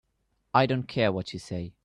I don't care what you say.